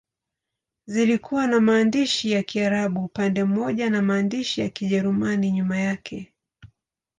Zilikuwa na maandishi ya Kiarabu upande mmoja na maandishi ya Kijerumani nyuma yake.